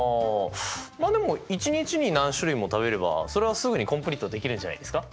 あでも一日に何種類も食べればそれはすぐにコンプリートできるんじゃないですか？